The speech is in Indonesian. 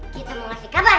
kita mau ngasih kabar